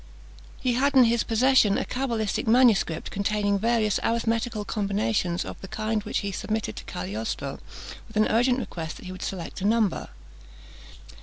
He had in his possession a cabalistic manuscript, containing various arithmetical combinations of the kind, which he submitted to Cagliostro, with an urgent request that he would select a number.